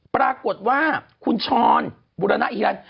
ปกติว่าคุณช้อนบุรณฑิรันดิ์